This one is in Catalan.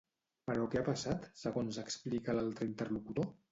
Però què ha passat, segons explica l'altre interlocutor?